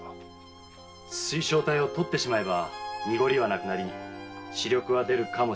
水晶体を取ってしまえば濁りはなくなり視力はかも？